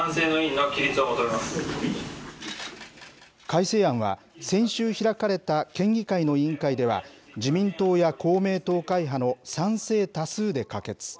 改正案は、先週開かれた県議会の委員会では、自民党や公明党会派の賛成多数で可決。